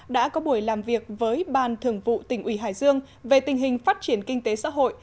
đã có buổi làm việc với ban thường vụ tỉnh ủy hải dương về tình hình phát triển kinh tế xã hội